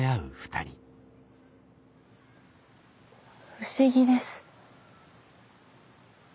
不思議です。